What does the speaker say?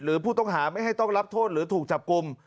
ผู้ต้องหาไม่ให้ต้องรับโทษหรือถูกจับกลุ่ม